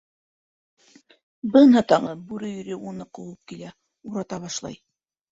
Бына тағы бүре өйөрө уны ҡыуып килә, урата башлай.